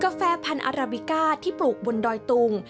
แฟพันธุ์อาราบิก้าที่ปลูกบนดอยตุง